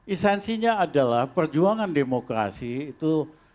esensinya adalah perjuangan demokrasi itu